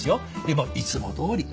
でもいつもどおり。